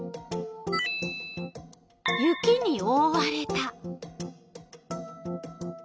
雪におおわれた。